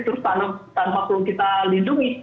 terus tanam tanpa perlu kita lindungi